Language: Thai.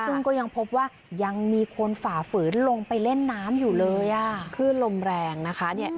ซึ่งก็ยังพบว่ายังมีคนฝ่าฝืนลงไปเล่นน้ำอยู่เลยอ่ะคลื่นลมแรงนะคะ